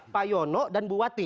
pak yono dan buati